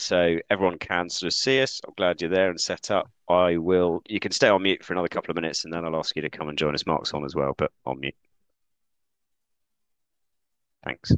So everyone can sort of see us. I'm glad you're there and set up. You can stay on mute for another couple of minutes, and then I'll ask you to come and join us. Mark's on as well, but on mute. Thanks.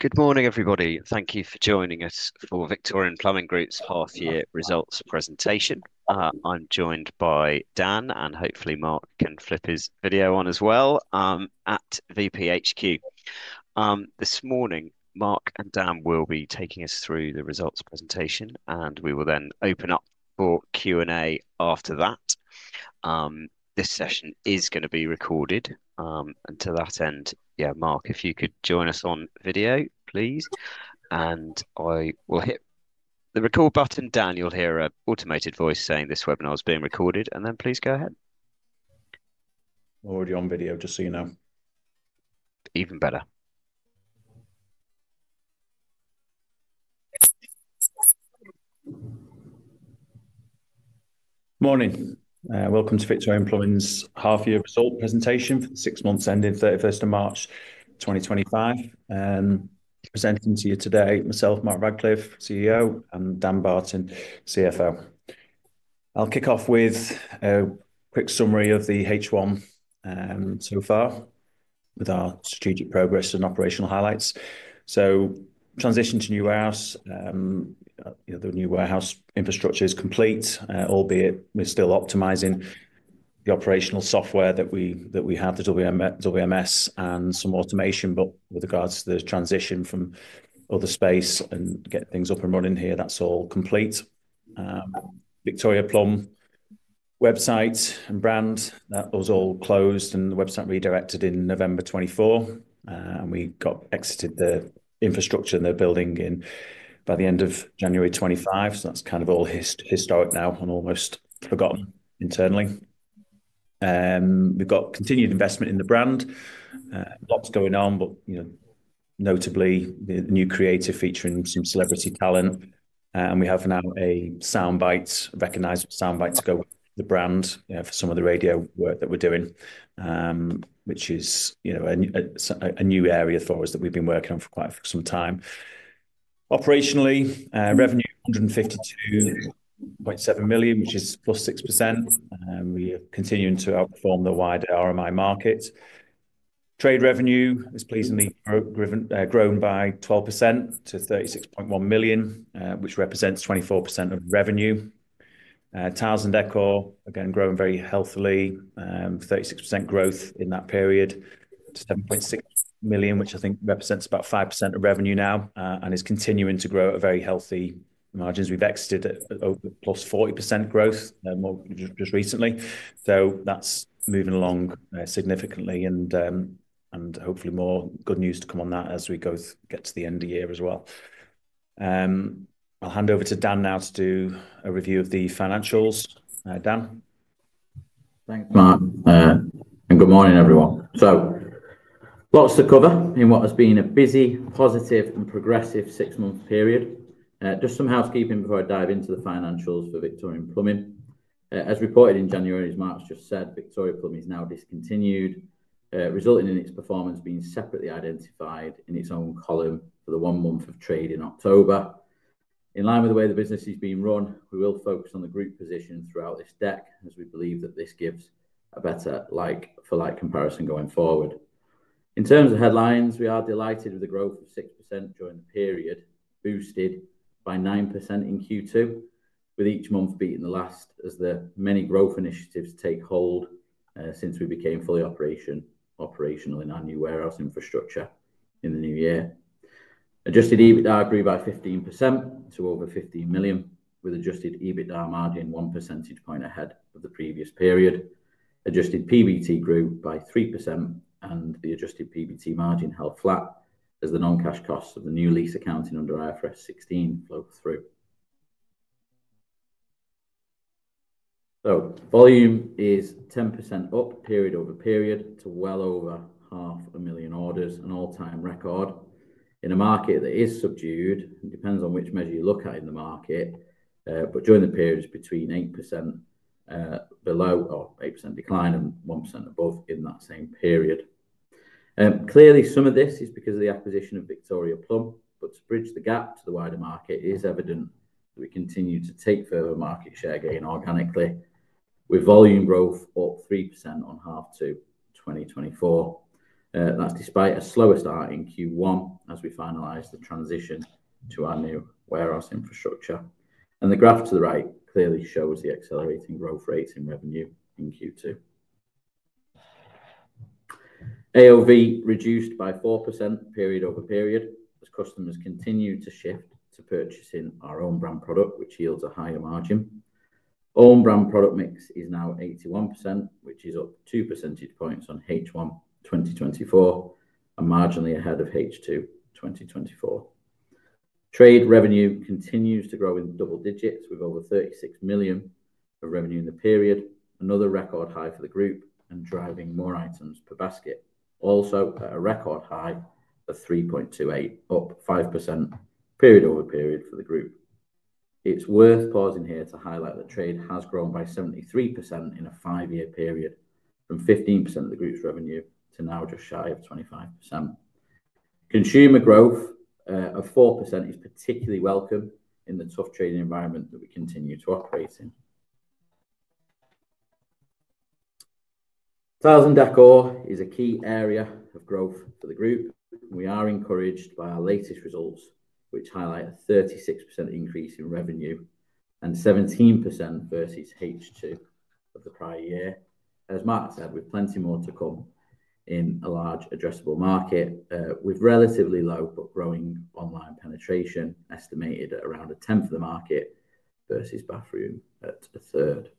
Good morning, everybody. Thank you for joining us for Victorian Plumbing Group's half-year results presentation. I'm joined by Dan, and hopefully Mark can flip his video on as well at VPHQ. This morning, Mark and Dan will be taking us through the results presentation, and we will then open up for Q&A after that. This session is going to be recorded. To that end, Mark, if you could join us on video, please. I will hit the record button. Daniel, hear an automated voice saying this webinar is being recorded, and then please go ahead. We're already on video, just so you know. Even better. Morning. Welcome to Victorian Plumbing's half-year result presentation for the six months ending 31st of March 2025. Presenting to you today, myself, Mark Radcliffe, CEO, and Dan Barton, CFO. I'll kick off with a quick summary of the H1 so far with our strategic progress and operational highlights. Transition to new warehouse. The new warehouse infrastructure is complete, albeit we're still optimizing the operational software that we have, the WMS, and some automation. With regards to the transition from other space and getting things up and running here, that's all complete. Victoria Plumb website and brand, that was all closed and the website redirected in November 2024. We got exited the infrastructure and the building in by the end of January 2025. That's kind of all historic now and almost forgotten internally. We've got continued investment in the brand. Lots going on, but notably the new creative featuring some celebrity talent. We have now a soundbite, recognized soundbite to go with the brand for some of the radio work that we are doing, which is a new area for us that we have been working on for quite some time. Operationally, revenue 152.7 million, which is plus 6%. We are continuing to outperform the wider RMI market. Trade revenue has pleasingly grown by 12% to 36.1 million, which represents 24% of revenue. Towels and Decor, again, growing very healthily, 36% growth in that period to 7.6 million, which I think represents about 5% of revenue now and is continuing to grow at very healthy margins. We have exited at plus 40% growth just recently. That is moving along significantly and hopefully more good news to come on that as we both get to the end of the year as well. I'll hand over to Dan now to do a review of the financials. Dan? Thanks, Mark. Good morning, everyone. Lots to cover in what has been a busy, positive, and progressive six-month period. Just some housekeeping before I dive into the financials for Victorian Plumbing Group. As reported in January, as Mark just said, Victoria Plumb is now discontinued, resulting in its performance being separately identified in its own column for the one month of trade in October. In line with the way the business is being run, we will focus on the group position throughout this deck as we believe that this gives a better like-for-like comparison going forward. In terms of headlines, we are delighted with the growth of 6% during the period, boosted by 9% in Q2, with each month beating the last as the many growth initiatives take hold since we became fully operational in our new warehouse infrastructure in the new year. Adjusted EBITDA grew by 15% to over 15 million, with adjusted EBITDA margin one percentage point ahead of the previous period. Adjusted PBT grew by 3%, and the adjusted PBT margin held flat as the non-cash costs of the new lease accounting under IFRS 16 flowed through. Volume is 10% up period over period to well over 500,000 million orders, an all-time record in a market that is subdued. It depends on which measure you look at in the market, but during the period, it is between 8% below or 8% decline and 1% above in that same period. Clearly, some of this is because of the acquisition of Victoria Plumb, but to bridge the gap to the wider market, it is evident that we continue to take further market share gain organically, with volume growth up 3% on half to 2024. That's despite a slower start in Q1 as we finalize the transition to our new warehouse infrastructure. The graph to the right clearly shows the accelerating growth rates in revenue in Q2. AOV reduced by 4% period over period as customers continue to shift to purchasing our own brand product, which yields a higher margin. Own brand product mix is now 81%, which is up 2 percentage points on H1 2024 and marginally ahead of H2 2024. Trade revenue continues to grow in double digits with over 36 million of revenue in the period, another record high for the group and driving more items per basket, also at a record high of 3.28, up 5% period over period for the group. It's worth pausing here to highlight that trade has grown by 73% in a five-year period from 15% of the group's revenue to now just shy of 25%. Consumer growth of 4% is particularly welcome in the tough trading environment that we continue to operate in. Towels and Decor is a key area of growth for the group. We are encouraged by our latest results, which highlight a 36% increase in revenue and 17% versus H2 of the prior year. As Mark said, we've plenty more to come in a large addressable market with relatively low but growing online penetration estimated at around a tenth of the market versus bathroom at a third.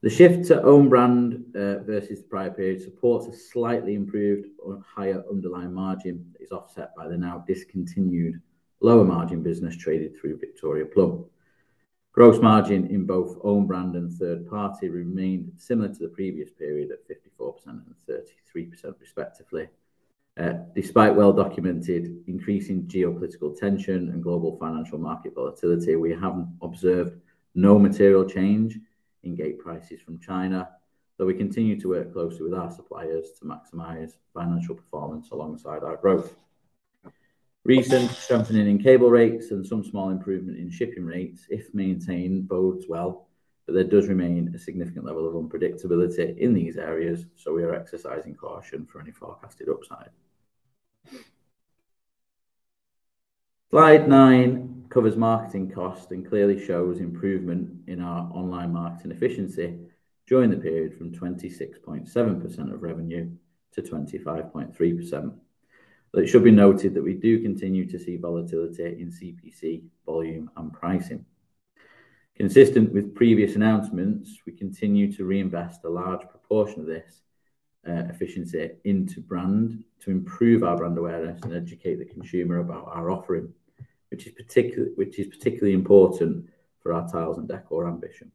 The shift to own brand versus the prior period supports a slightly improved or higher underlying margin that is offset by the now discontinued lower margin business traded through Victoria Plumb. Gross margin in both own brand and third party remained similar to the previous period at 54% and 33% respectively. Despite well-documented increasing geopolitical tension and global financial market volatility, we haven't observed no material change in gate prices from China, though we continue to work closely with our suppliers to maximize financial performance alongside our growth. Recent jumping in cable rates and some small improvement in shipping rates if maintained bodes well, but there does remain a significant level of unpredictability in these areas, so we are exercising caution for any forecasted upside. Slide nine covers marketing cost and clearly shows improvement in our online marketing efficiency during the period from 26.7% of revenue to 25.3%. It should be noted that we do continue to see volatility in CPC, volume, and pricing. Consistent with previous announcements, we continue to reinvest a large proportion of this efficiency into brand to improve our brand awareness and educate the consumer about our offering, which is particularly important for our tiles and decor ambition.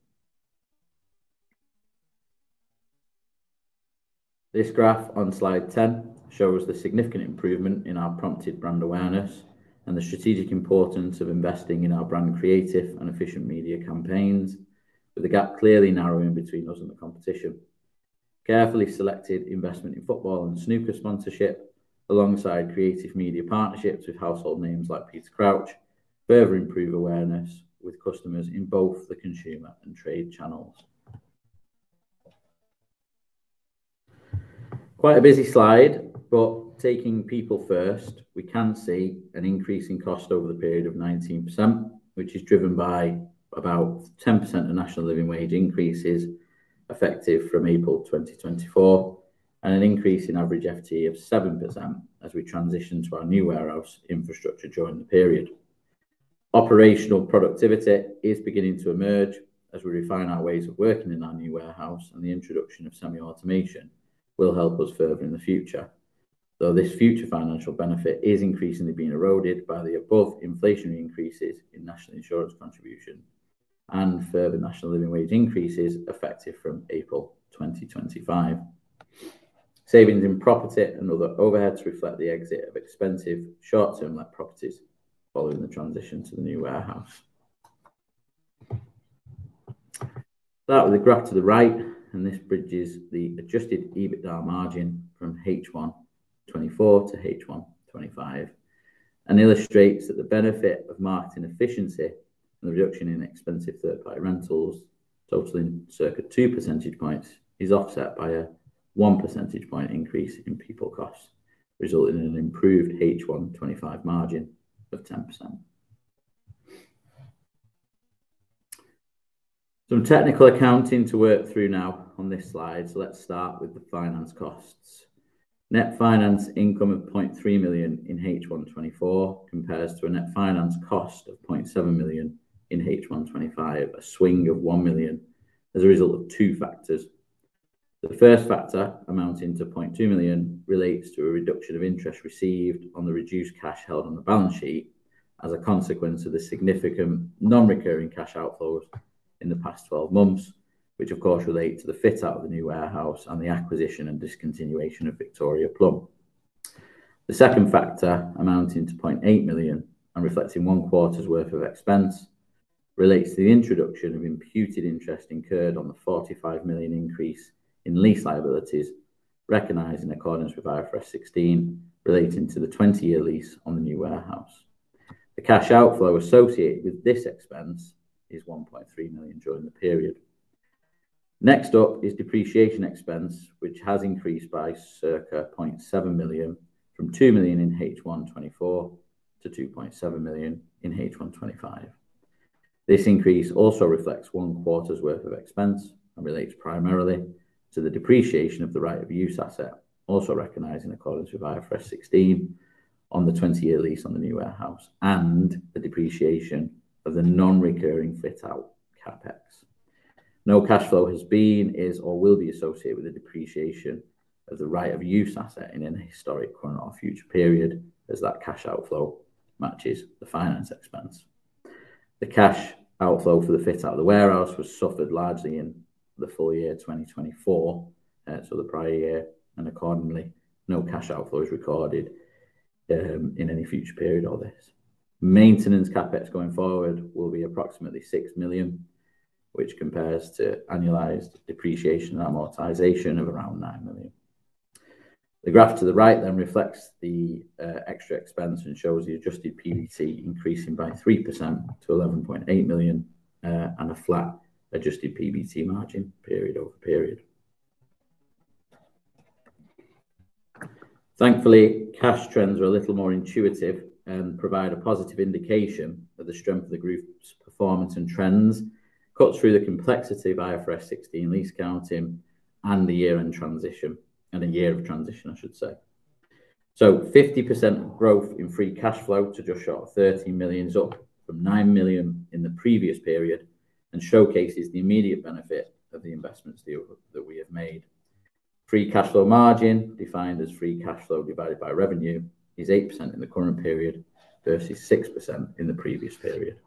This graph on slide 10 shows the significant improvement in our prompted brand awareness and the strategic importance of investing in our brand creative and efficient media campaigns, with the gap clearly narrowing between us and the competition. Carefully selected investment in football and snooker sponsorship, alongside creative media partnerships with household names like Peter Crouch, further improve awareness with customers in both the consumer and trade channels. Quite a busy slide, but taking people first, we can see an increase in cost over the period of 19%, which is driven by about 10% of national living wage increases effective from April 2024, and an increase in average FTE of 7% as we transition to our new warehouse infrastructure during the period. Operational productivity is beginning to emerge as we refine our ways of working in our new warehouse, and the introduction of semi-automation will help us further in the future, though this future financial benefit is increasingly being eroded by the above inflationary increases in national insurance contribution and further national living wage increases effective from April 2025. Savings in property and other overheads reflect the exit of expensive short-term-let properties following the transition to the new warehouse. That was the graph to the right, and this bridges the adjusted EBITDA margin from H1 2024 to H1 2025 and illustrates that the benefit of marketing efficiency and the reduction in expensive third-party rentals, totaling circa 2 percentage points, is offset by a 1 percentage point increase in people costs, resulting in an improved H1 2025 margin of 10%. Some technical accounting to work through now on this slide. Let's start with the finance costs. Net finance income of 0.3 million in H1 2024 compares to a net finance cost of 0.7 million in H1 2025, a swing of 1 million as a result of two factors. The first factor, amounting to 0.2 million, relates to a reduction of interest received on the reduced cash held on the balance sheet as a consequence of the significant non-recurring cash outflows in the past 12 months, which, of course, relate to the fit out of the new warehouse and the acquisition and discontinuation of Victoria Plumb. The second factor, amounting to 0.8 million and reflecting one quarter's worth of expense, relates to the introduction of imputed interest incurred on the 45 million increase in lease liabilities, recognized in accordance with IFRS 16, relating to the 20-year lease on the new warehouse. The cash outflow associated with this expense is 1.3 million during the period. Next up is depreciation expense, which has increased by circa 0.7 million from 2 million in H1 2024 to 2.7 million in H1 2025. This increase also reflects one quarter's worth of expense and relates primarily to the depreciation of the right of use asset, also recognized in accordance with IFRS 16 on the 20-year lease on the new warehouse and the depreciation of the non-recurring fit-out CapEx. No cash flow has been, is, or will be associated with the depreciation of the right of use asset in any historic, current, or future period as that cash outflow matches the finance expense. The cash outflow for the fit-out of the warehouse was suffered largely in the full year 2024, so the prior year, and accordingly, no cash outflow is recorded in any future period or this. Maintenance CapEx going forward will be approximately 6 million, which compares to annualized depreciation and amortization of around 9 million. The graph to the right then reflects the extra expense and shows the adjusted PBT increasing by 3% to 11.8 million and a flat adjusted PVC margin period over period. Thankfully, cash trends are a little more intuitive and provide a positive indication of the strength of the group's performance and trends cut through the complexity of IFRS 16 lease counting and the year-end transition and a year of transition, I should say. 50% growth in free cash flow to just short of 13 million is up from 9 million in the previous period and showcases the immediate benefit of the investments that we have made. Free cash flow margin, defined as free cash flow divided by revenue, is 8% in the current period versus 6% in the previous period.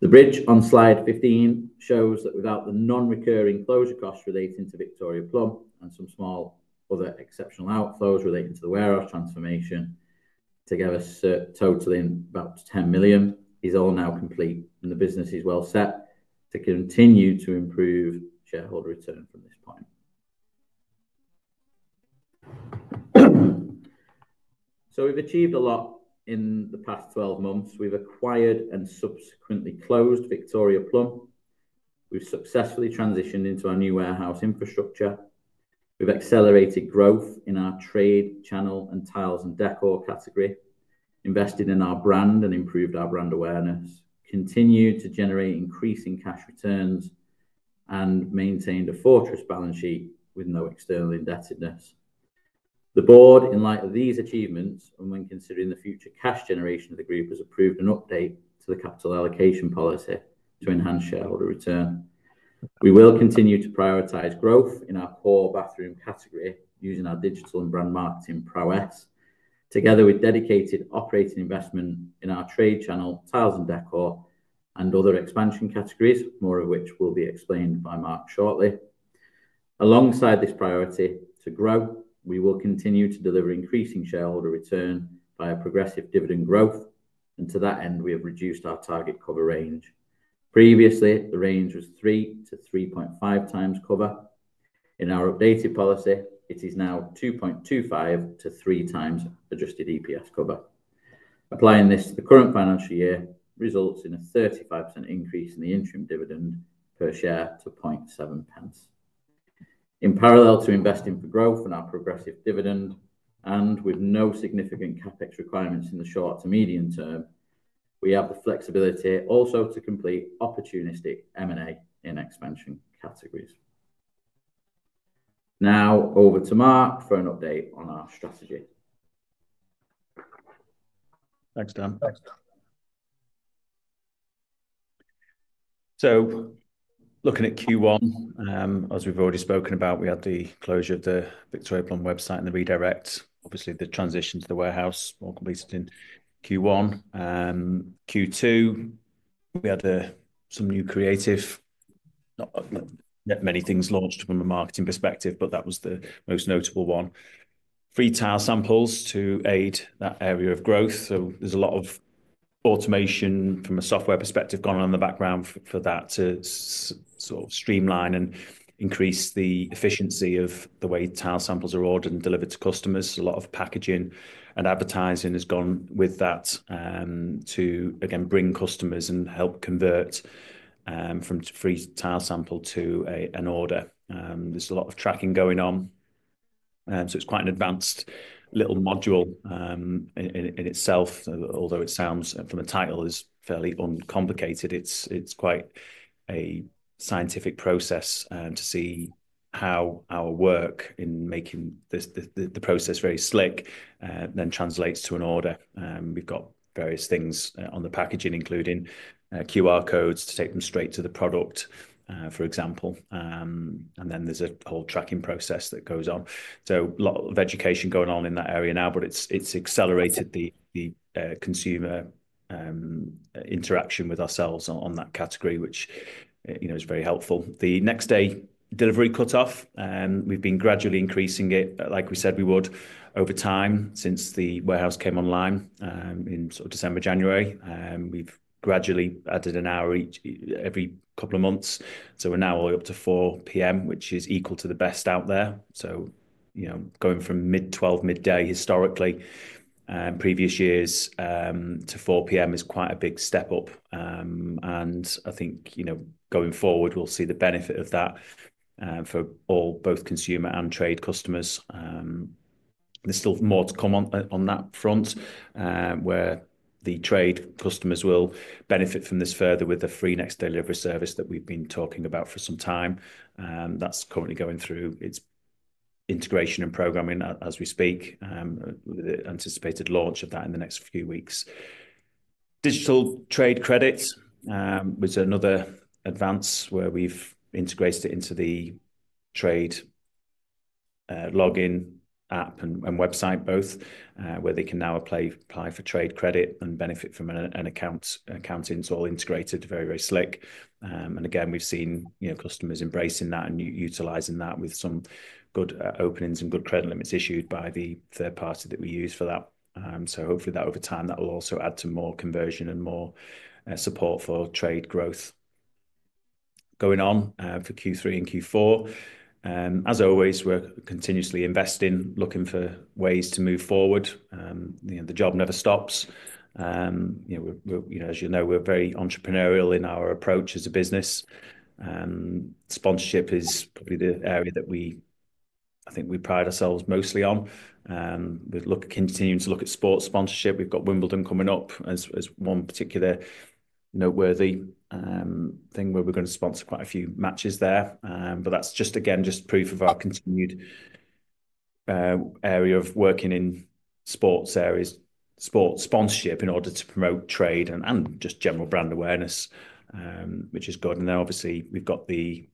The bridge on slide 15 shows that without the non-recurring closure costs relating to Victoria Plumb and some small other exceptional outflows relating to the warehouse transformation together, totaling about 10 million, is all now complete and the business is well set to continue to improve shareholder return from this point. We have achieved a lot in the past 12 months. We have acquired and subsequently closed Victoria Plumb. We have successfully transitioned into our new warehouse infrastructure. We have accelerated growth in our trade channel and tiles and decor category, invested in our brand and improved our brand awareness, continued to generate increasing cash returns, and maintained a fortress balance sheet with no external indebtedness. The board, in light of these achievements and when considering the future cash generation of the group, has approved an update to the capital allocation policy to enhance shareholder return. We will continue to prioritize growth in our core bathroom category using our digital and brand marketing prowess, together with dedicated operating investment in our trade channel, tiles and decor, and other expansion categories, more of which will be explained by Mark shortly. Alongside this priority to grow, we will continue to deliver increasing shareholder return via progressive dividend growth, and to that end, we have reduced our target cover range. Previously, the range was 3-3.5 times cover. In our updated policy, it is now 2.25-3 times adjusted EPS cover. Applying this to the current financial year results in a 35% increase in the interim dividend per share to 2.7 In parallel to investing for growth and our progressive dividend, and with no significant capex requirements in the short to medium term, we have the flexibility also to complete opportunistic M&A in expansion categories. Now, over to Mark for an update on our strategy. Thanks, Dan. Looking at Q1, as we've already spoken about, we had the closure of the Victoria Plumb website and the redirect. Obviously, the transition to the warehouse was completed in Q1. In Q2, we had some new creative, not many things launched from a marketing perspective, but that was the most notable one. Free tile samples to aid that area of growth. There is a lot of automation from a software perspective going on in the background for that to sort of streamline and increase the efficiency of the way tile samples are ordered and delivered to customers. A lot of packaging and advertising has gone with that to, again, bring customers and help convert from free tile sample to an order. There is a lot of tracking going on. It's quite an advanced little module in itself, although it sounds from the title is fairly uncomplicated. It's quite a scientific process to see how our work in making the process very slick then translates to an order. We've got various things on the packaging, including QR codes to take them straight to the product, for example. There is a whole tracking process that goes on. A lot of education going on in that area now, but it's accelerated the consumer interaction with ourselves on that category, which is very helpful. The next day delivery cutoff, we've been gradually increasing it, like we said we would over time since the warehouse came online in sort of December, January. We've gradually added an hour each every couple of months. We are now all up to 4:00 P.M., which is equal to the best out there. Going from mid-12, mid-day historically previous years to 4:00 P.M. is quite a big step up. I think going forward, we'll see the benefit of that for both consumer and trade customers. There's still more to come on that front where the trade customers will benefit from this further with the free next delivery service that we've been talking about for some time. That's currently going through its integration and programming as we speak, with the anticipated launch of that in the next few weeks. Digital trade credit was another advance where we've integrated it into the trade login app and website, both where they can now apply for trade credit and benefit from an accounting tool integrated, very, very slick. We have seen customers embracing that and utilizing that with some good openings and good credit limits issued by the third party that we use for that. Hopefully, over time, that will also add to more conversion and more support for trade growth going on for Q3 and Q4. As always, we are continuously investing, looking for ways to move forward. The job never stops. As you know, we are very entrepreneurial in our approach as a business. Sponsorship is probably the area that I think we pride ourselves mostly on. We are continuing to look at sports sponsorship. We have got Wimbledon coming up as one particular noteworthy thing where we are going to sponsor quite a few matches there. That is just, again, just proof of our continued area of working in sports areas, sports sponsorship in order to promote trade and just general brand awareness, which is good. Obviously, we've got the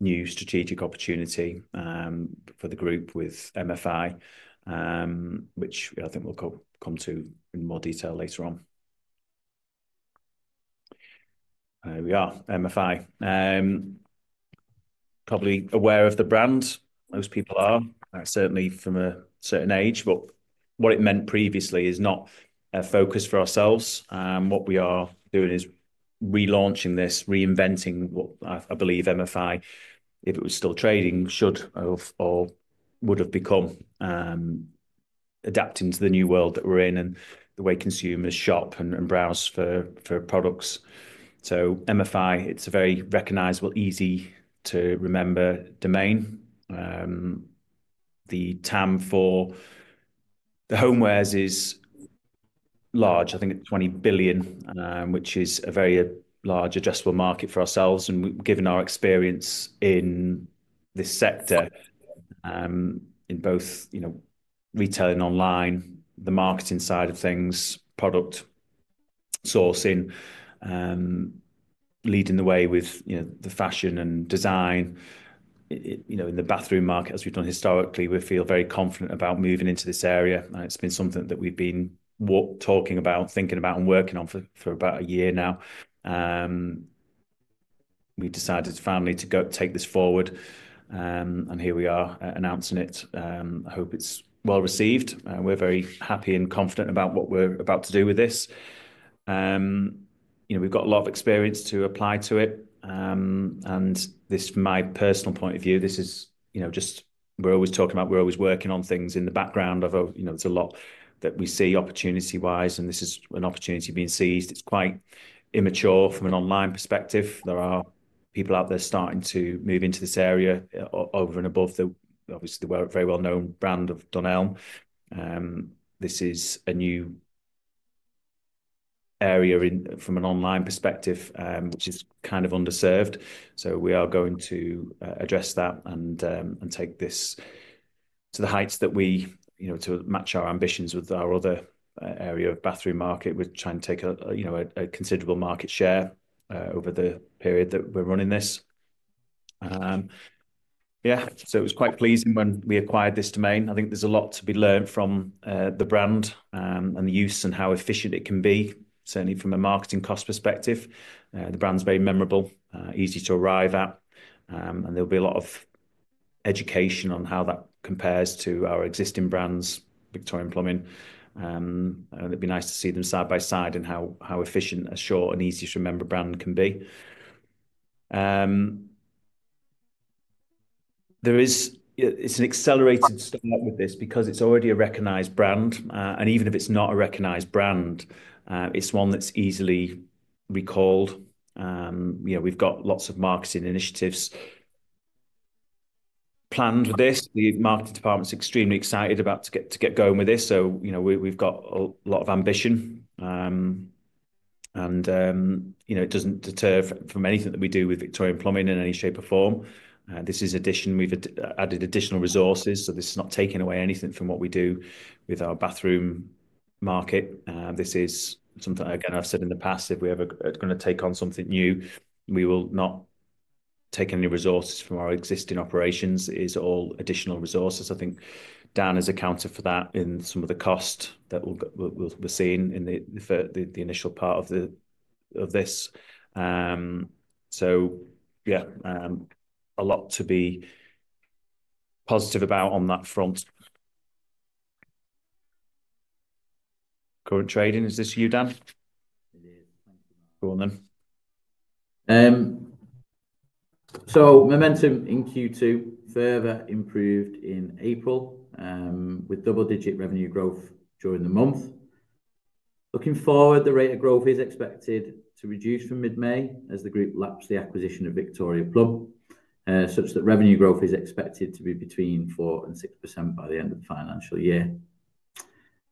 new strategic opportunity for the group with MFI, which I think we'll come to in more detail later on. There we are, MFI. Probably aware of the brand. Most people are, certainly from a certain age, but what it meant previously is not a focus for ourselves. What we are doing is relaunching this, reinventing what I believe MFI, if it was still trading, should or would have become, adapting to the new world that we're in and the way consumers shop and browse for products. MFI, it's a very recognizable, easy to remember domain. The TAM for the homewares is large. I think it's 20 billion, which is a very large addressable market for ourselves. Given our experience in this sector, in both retail and online, the marketing side of things, product sourcing, leading the way with the fashion and design in the bathroom market, as we have done historically, we feel very confident about moving into this area. It has been something that we have been talking about, thinking about, and working on for about a year now. We have decided finally to take this forward. Here we are announcing it. I hope it is well received. We are very happy and confident about what we are about to do with this. We have got a lot of experience to apply to it. This is my personal point of view. We are always talking about, we are always working on things in the background. There is a lot that we see opportunity-wise, and this is an opportunity being seized. It is quite immature from an online perspective. There are people out there starting to move into this area over and above the, obviously, the very well-known brand of Dunelm. This is a new area from an online perspective, which is kind of underserved. We are going to address that and take this to the heights that we, to match our ambitions with our other area of bathroom market, we're trying to take a considerable market share over the period that we're running this. Yeah, it was quite pleasing when we acquired this domain. I think there's a lot to be learned from the brand and the use and how efficient it can be, certainly from a marketing cost perspective. The brand's very memorable, easy to arrive at, and there'll be a lot of education on how that compares to our existing brands, Victorian Plumbing. It'd be nice to see them side by side and how efficient, a short and easy to remember brand can be. It's an accelerated start with this because it's already a recognized brand. And even if it's not a recognized brand, it's one that's easily recalled. We've got lots of marketing initiatives planned with this. The marketing department's extremely excited about to get going with this. We've got a lot of ambition. It doesn't deter from anything that we do with Victorian Plumbing in any shape or form. This is addition. We've added additional resources. This is not taking away anything from what we do with our bathroom market. This is something, again, I've said in the past, if we're ever going to take on something new, we will not take any resources from our existing operations. It is all additional resources. I think Dan has accounted for that in some of the costs that we're seeing in the initial part of this. So yeah, a lot to be positive about on that front. Current trading, is this you, Dan? It is. Thank you, Mark. Go on then. So momentum in Q2 further improved in April with double-digit revenue growth during the month. Looking forward, the rate of growth is expected to reduce from mid-May as the group laps the acquisition of Victoria Plumb, such that revenue growth is expected to be between 4-6% by the end of the financial year.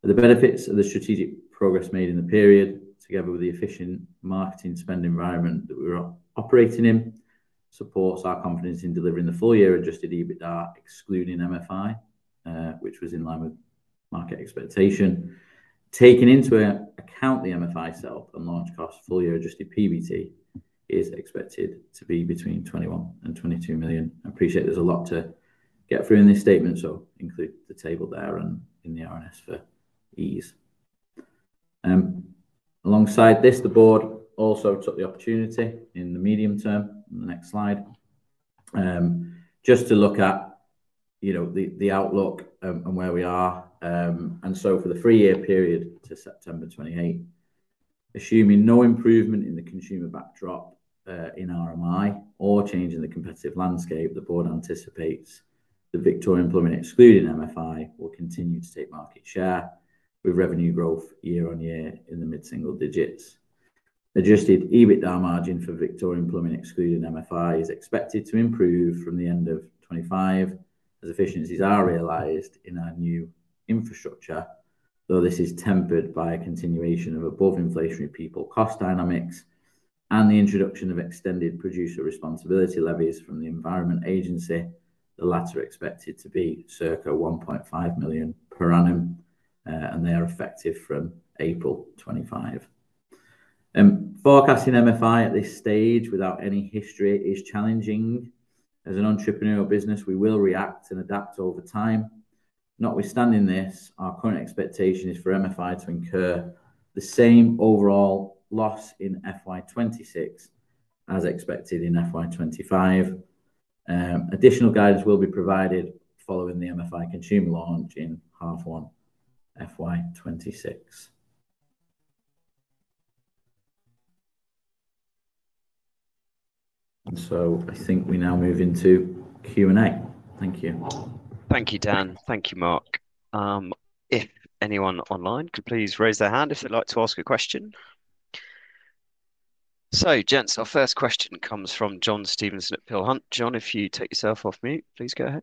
The benefits of the strategic progress made in the period, together with the efficient marketing spend environment that we were operating in, supports our confidence in delivering the full-year adjusted EBITDA, excluding MFI, which was in line with market expectation. Taking into account the MFI sell and launch costs, full-year adjusted PBT is expected to be between 21 million and 22 million. I appreciate there's a lot to get through in this statement, so include the table there and in the R&S for ease. Alongside this, the board also took the opportunity in the medium term, the next slide, just to look at the outlook and where we are. For the three-year period to September 2028, assuming no improvement in the consumer backdrop in RMI or changing the competitive landscape, the board anticipates that Victorian Plumbing, excluding MFI, will continue to take market share with revenue growth year on year in the mid-single digits. Adjusted EBITDA margin for Victorian Plumbing, excluding MFI, is expected to improve from the end of 2025 as efficiencies are realized in our new infrastructure, though this is tempered by a continuation of above-inflationary people cost dynamics and the introduction of extended producer responsibility levies from the Environment Agency. The latter expected to be circa 1.5 million per annum, and they are effective from April 2025. Forecasting MFI at this stage without any history is challenging. As an entrepreneurial business, we will react and adapt over time. Notwithstanding this, our current expectation is for MFI to incur the same overall loss in FY2026 as expected in FY 2025. Additional guidance will be provided following the MFI consumer launch in half on FY 2026. I think we now move into Q&A. Thank you. Thank you, Dan. Thank you, Mark. If anyone online could please raise their hand if they'd like to ask a question. Gents, our first question comes from John Stevenson at Peel Hunt. John, if you take yourself off mute, please go ahead.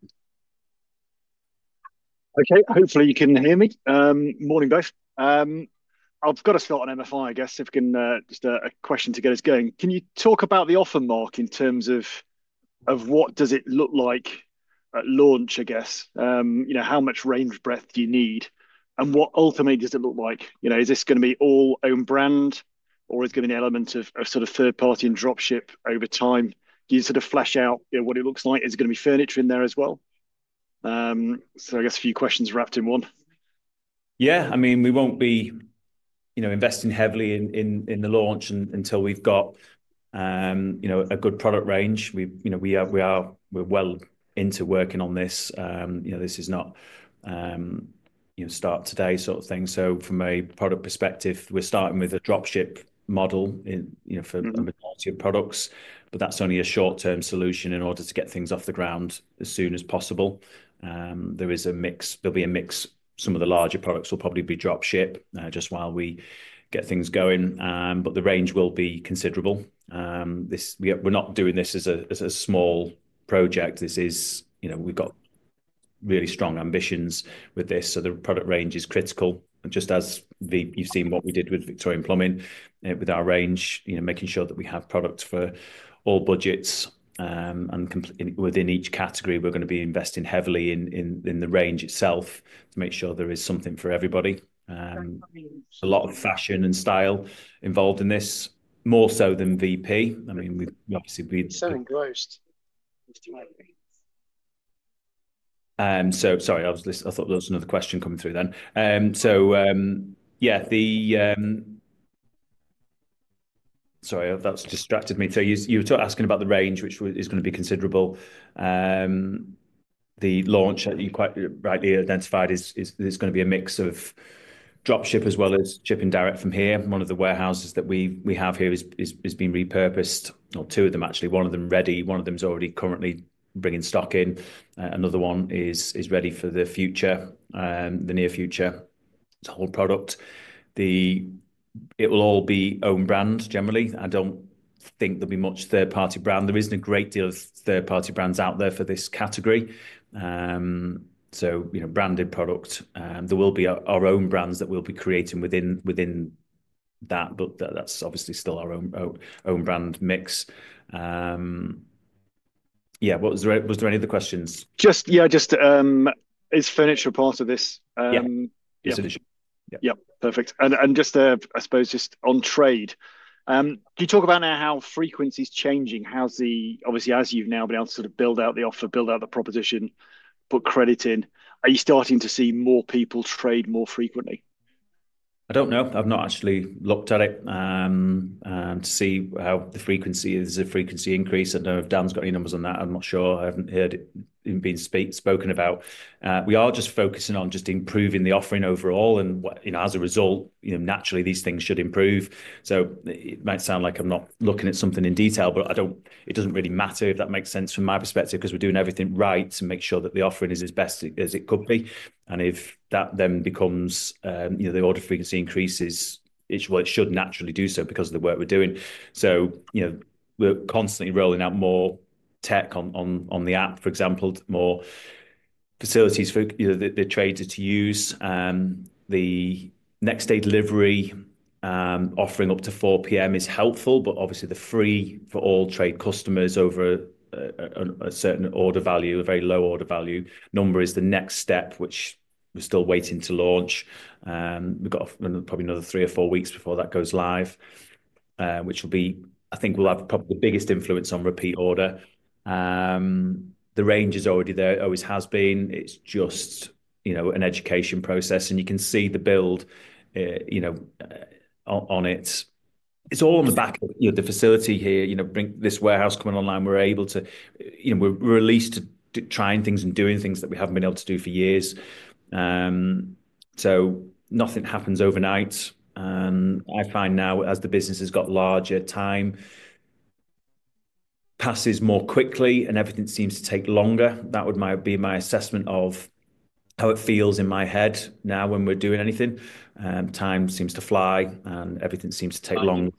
Okay, hopefully you can hear me. Morning, guys. I've got a thought on MFI, I guess, if we can, just a question to get us going. Can you talk about the offer, Mark, in terms of what does it look like at launch, I guess? How much range breadth do you need? What ultimately does it look like? Is this going to be all own brand, or is there going to be an element of sort of third-party and dropship over time? Do you sort of flesh out what it looks like? Is there going to be furniture in there as well? I guess a few questions wrapped in one. Yeah, I mean, we won't be investing heavily in the launch until we've got a good product range. We're well into working on this. This is not start today sort of thing. From a product perspective, we're starting with a dropship model for a majority of products, but that's only a short-term solution in order to get things off the ground as soon as possible. There will be a mix. Some of the larger products will probably be dropship just while we get things going, but the range will be considerable. We're not doing this as a small project. We've got really strong ambitions with this. The product range is critical. Just as you have seen what we did with Victorian Plumbing with our range, making sure that we have products for all budgets and within each category, we are going to be investing heavily in the range itself to make sure there is something for everybody. A lot of fashion and style involved in this, more so than VP. I mean, obviously, we have— So engrossed. Sorry, I thought there was another question coming through then. Yeah, sorry, that distracted me. You were asking about the range, which is going to be considerable. The launch that you quite rightly identified is going to be a mix of dropship as well as shipping direct from here. One of the warehouses that we have here has been repurposed, or two of them, actually. One of them ready. One of them is already currently bringing stock in. Another one is ready for the future, the near future. It's a whole product. It will all be own brand, generally. I don't think there'll be much third-party brand. There isn't a great deal of third-party brands out there for this category. So branded products. There will be our own brands that we'll be creating within that, but that's obviously still our own brand mix. Yeah, was there any other questions? Just, yeah, just is furniture part of this? Yeah. Yep. Perfect. And just, I suppose, just on trade, can you talk about now how frequency is changing? Obviously, as you've now been able to sort of build out the offer, build out the proposition, put credit in, are you starting to see more people trade more frequently? I don't know. I've not actually looked at it to see how the frequency is a frequency increase. I don't know if Dan's got any numbers on that. I'm not sure. I haven't heard it being spoken about. We are just focusing on just improving the offering overall. As a result, naturally, these things should improve. It might sound like I'm not looking at something in detail, but it doesn't really matter if that makes sense from my perspective because we're doing everything right to make sure that the offering is as best as it could be. If that then becomes the order frequency increases, it should naturally do so because of the work we're doing. We're constantly rolling out more tech on the app, for example, more facilities for the traders to use. The next-day delivery offering up to 4:00 P.M. is helpful, but obviously, the free-for-all trade customers over a certain order value, a very low order value number is the next step, which we're still waiting to launch. We've got probably another three or four weeks before that goes live, which will be, I think, will have probably the biggest influence on repeat order. The range is already there, always has been. It's just an education process, and you can see the build on it. It's all on the back of the facility here. This warehouse coming online, we're able to—we're released to trying things and doing things that we haven't been able to do for years. Nothing happens overnight. I find now, as the business has got larger, time passes more quickly, and everything seems to take longer. That would be my assessment of how it feels in my head now when we're doing anything. Time seems to fly, and everything seems to take longer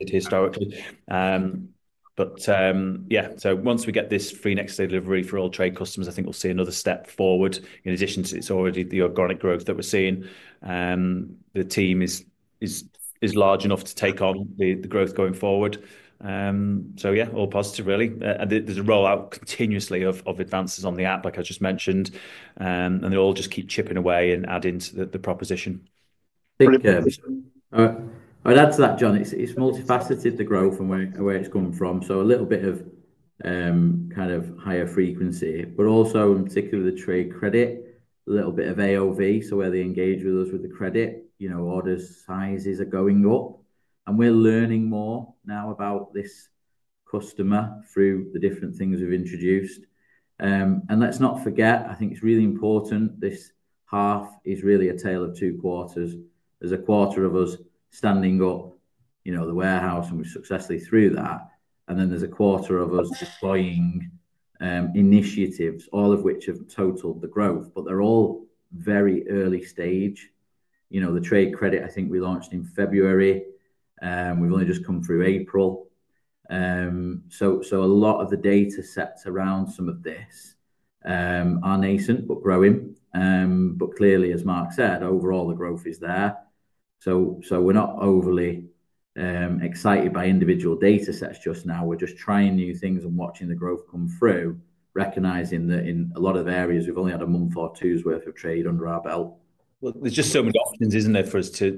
historically. Once we get this free next-day delivery for all trade customers, I think we'll see another step forward in addition to the organic growth that we're seeing. The team is large enough to take on the growth going forward. All positive, really. There's a rollout continuously of advances on the app, like I just mentioned, and they all just keep chipping away and adding to the proposition. Thank you. I'd add to that, John, it's multifaceted, the growth and where it's come from. A little bit of kind of higher frequency, but also, in particular, the trade credit, a little bit of AOV, so where they engage with us with the credit, order sizes are going up. We are learning more now about this customer through the different things we have introduced. Let's not forget, I think it is really important, this half is really a tale of two quarters. There is a quarter of us standing up the warehouse, and we have successfully through that. There is a quarter of us deploying initiatives, all of which have totaled the growth, but they are all very early stage. The trade credit, I think we launched in February. We have only just come through April. A lot of the data sets around some of this are nascent, but growing. Clearly, as Mark said, overall, the growth is there. We're not overly excited by individual data sets just now. We're just trying new things and watching the growth come through, recognizing that in a lot of areas, we've only had a month or two's worth of trade under our belt. There are just so many options, isn't there, for us that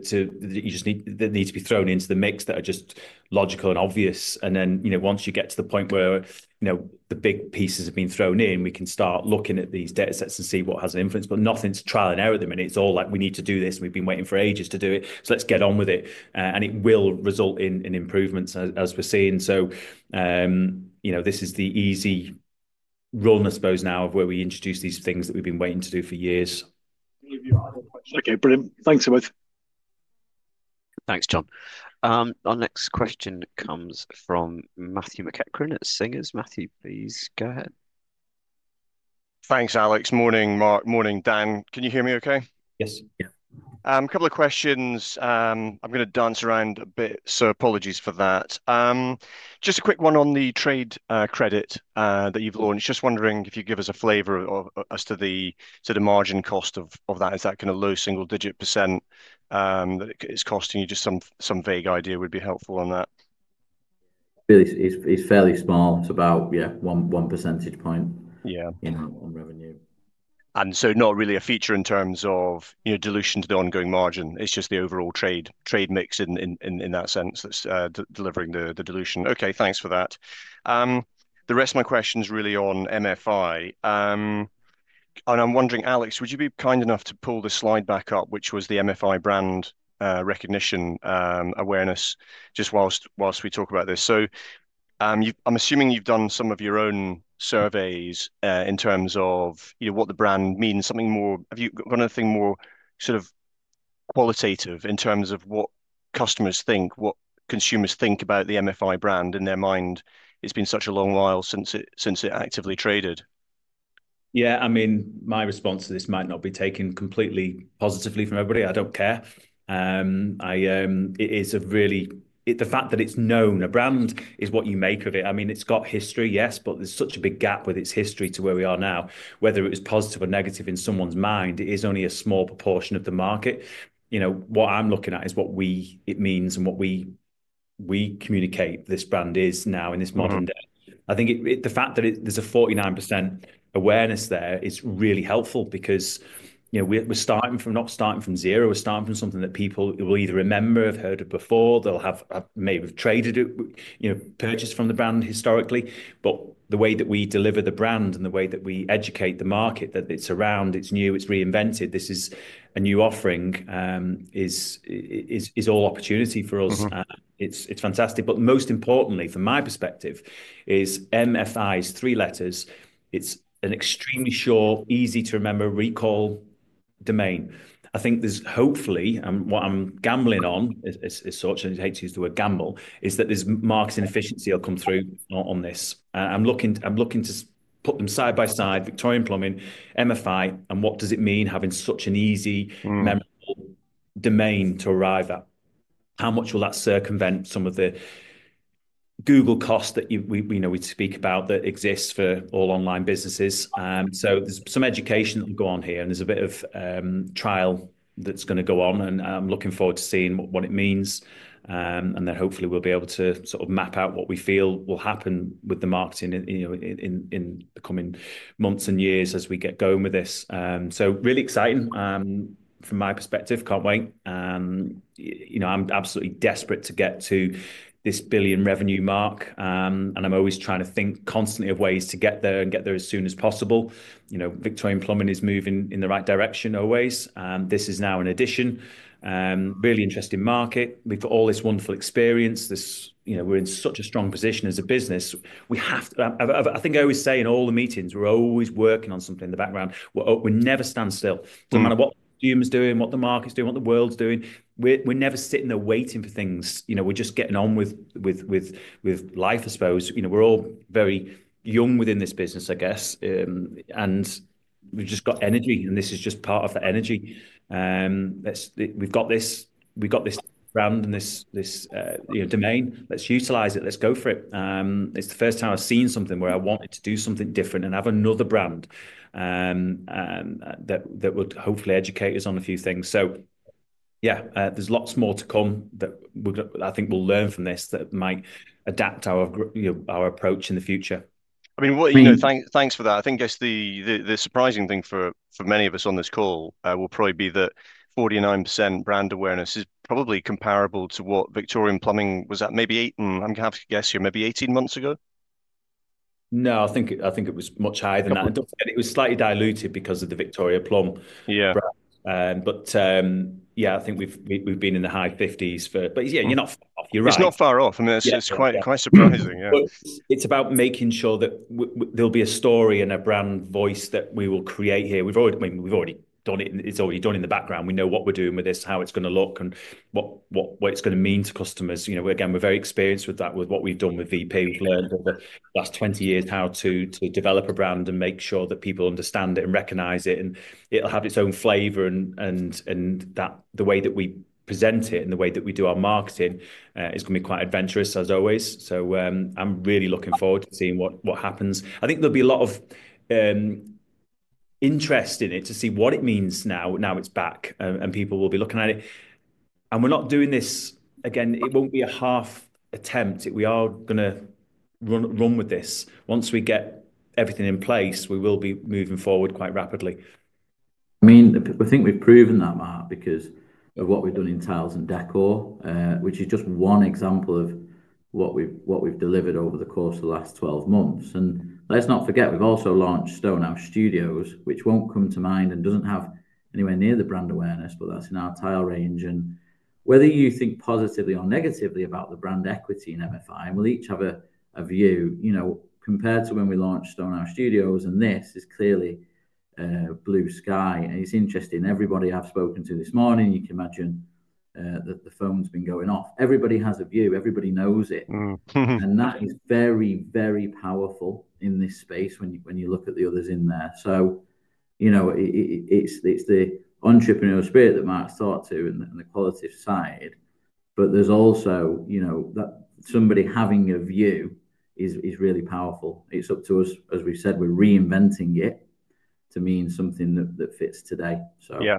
need to be thrown into the mix that are just logical and obvious. Once you get to the point where the big pieces have been thrown in, we can start looking at these data sets and see what has an influence, but nothing's trial and error with them. It's all like, "We need to do this. We've been waiting for ages to do it. Let's get on with it." It will result in improvements, as we're seeing. This is the easy run, I suppose, now of where we introduce these things that we've been waiting to do for years. Okay, brilliant. Thanks, everyone. Thanks, John. Our next question comes from Matthew McEachern [at Singer Capital Market Matthew,] please go ahead. Thanks, Alex. Morning, Mark. Morning, Dan. Can you hear me okay? Yes. Yeah. A couple of questions. I'm going to dance around a bit, so apologies for that. Just a quick one on the trade credit that you've launched. Just wondering if you give us a flavor as to the margin cost of that. Is that kind of low single-digit % that it's costing you? Just some vague idea would be helpful on that. It's fairly small. It's about one percentage point in revenue. And so not really a feature in terms of dilution to the ongoing margin. It's just the overall trade mix in that sense that's delivering the dilution. Okay, thanks for that. The rest of my question is really on MFI. And I'm wondering, Alec, would you be kind enough to pull the slide back up, which was the MFI brand recognition awareness, just whilst we talk about this? So I'm assuming you've done some of your own surveys in terms of what the brand means. Have you got anything more sort of qualitative in terms of what customers think, what consumers think about the MFI brand in their mind? It's been such a long while since it actively traded. Yeah, I mean, my response to this might not be taken completely positively from everybody. I don't care. It is a really—the fact that it's known a brand is what you make of it. I mean, it's got history, yes, but there's such a big gap with its history to where we are now. Whether it was positive or negative in someone's mind, it is only a small proportion of the market. What I'm looking at is what it means and what we communicate this brand is now in this modern day. I think the fact that there's a 49% awareness there is really helpful because we're starting from not starting from zero. We're starting from something that people will either remember, have heard of before, they'll have maybe traded it, purchased from the brand historically. The way that we deliver the brand and the way that we educate the market that it's around, it's new, it's reinvented, this is a new offering is all opportunity for us. It's fantastic. Most importantly, from my perspective, is MFI's three letters. It's an extremely short, easy-to-remember recall domain. I think there's hopefully, and what I'm gambling on is such—I hate to use the word gamble—is that there's marketing efficiency that will come through on this. I'm looking to put them side by side: Victorian Plumbing, MFI, and what does it mean having such an easy memorable domain to arrive at? How much will that circumvent some of the Google costs that we speak about that exist for all online businesses? There is some education that will go on here, and there's a bit of trial that's going to go on, and I'm looking forward to seeing what it means. Hopefully, we'll be able to sort of map out what we feel will happen with the marketing in the coming months and years as we get going with this. Really exciting from my perspective. Can't wait. I'm absolutely desperate to get to this billion revenue mark, and I'm always trying to think constantly of ways to get there and get there as soon as possible. Victorian Plumbing is moving in the right direction always. This is now an addition. Really interesting market. We've got all this wonderful experience. We're in such a strong position as a business. I think I always say in all the meetings, we're always working on something in the background. We never stand still. No matter what the consumer's doing, what the market's doing, what the world's doing, we're never sitting there waiting for things. We're just getting on with life, I suppose. We're all very young within this business, I guess, and we've just got energy, and this is just part of the energy. We've got this brand and this domain. Let's utilize it. Let's go for it. It's the first time I've seen something where I wanted to do something different and have another brand that would hopefully educate us on a few things. So yeah, there's lots more to come that I think we'll learn from this that might adapt our approach in the future. I mean, thanks for that. I think just the surprising thing for many of us on this call will probably be that 49% brand awareness is probably comparable to what Victorian Plumbing was at, maybe—I'm going to have to guess here—maybe 18 months ago? No, I think it was much higher than that. It was slightly diluted because of the Victoria Plumb brand. But yeah, I think we've been in the high 50s for—but yeah, you're not far off. You're right. It's not far off. I mean, it's quite surprising. Yeah. It's about making sure that there'll be a story and a brand voice that we will create here. We've already done it. It's already done in the background. We know what we're doing with this, how it's going to look, and what it's going to mean to customers. Again, we're very experienced with that, with what we've done with VP plan. We've learned over the last 20 years how to develop a brand and make sure that people understand it and recognize it. It'll have its own flavor, and the way that we present it and the way that we do our marketing is going to be quite adventurous, as always. I'm really looking forward to seeing what happens. I think there'll be a lot of interest in it to see what it means now. Now it's back, and people will be looking at it. We're not doing this again. It won't be a half attempt. We are going to run with this. Once we get everything in place, we will be moving forward quite rapidly. I mean, I think we've proven that, Mark, because of what we've done in tiles and decor, which is just one example of what we've delivered over the course of the last 12 months. Let's not forget, we've also launched Stonehouse Studios, which won't come to mind and doesn't have anywhere near the brand awareness, but that's in our tile range. Whether you think positively or negatively about the brand equity in MFI, we'll each have a view. Compared to when we launched Stonehouse Studios, and this is clearly blue sky. It's interesting. Everybody I've spoken to this morning, you can imagine that the phone's been going off. Everybody has a view. Everybody knows it. That is very, very powerful in this space when you look at the others in there. It is the entrepreneurial spirit that Mark's thought to and the qualitative side. There is also somebody having a view is really powerful. It is up to us, as we have said, we are reinventing it to mean something that fits today. Yeah.